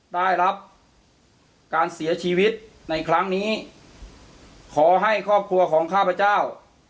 ได้รับการเสียชีวิตในครั้งนี้ขอให้ครอบครัวของข้าพเจ้า